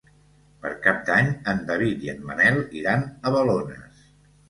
Per Cap d'Any en David i en Manel iran a Balones.